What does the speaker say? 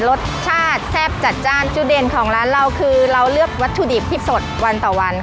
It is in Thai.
รสชาติแซ่บจัดจ้านจุดเด่นของร้านเราคือเราเลือกวัตถุดิบที่สดวันต่อวัน